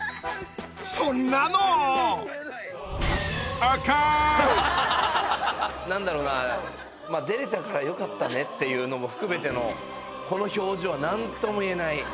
そんなの何だろうなまあっていうのも含めてのこの表情は何とも言えない